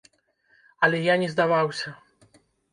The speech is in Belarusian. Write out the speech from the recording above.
Але я не здаваўся.